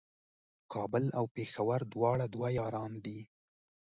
کابل او پېښور دواړه دوه یاران دي